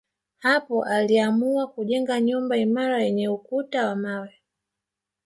Hapo aliamua kujenga nyumba imara yenye ukuta wa mawe